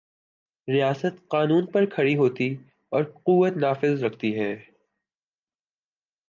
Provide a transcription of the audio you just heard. ریاست قانون پر کھڑی ہوتی اور قوت نافذہ رکھتی ہے۔